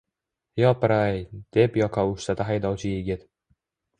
– Yopiray! – deb yoqa ushladi haydovchi yigit